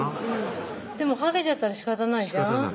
「でもハゲちゃったらしかたないじゃん？」